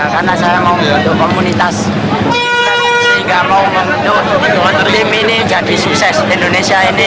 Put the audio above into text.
karena saya mau membantu komunitas sehingga mau membantu tim ini jadi sukses di indonesia ini